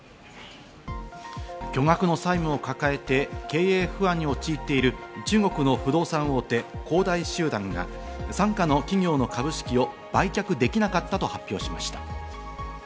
巨額の債務を抱えて経営不安に陥っている中国の不動産大手・恒大集団が傘下の企業の株式を売却できなかったと発表しました。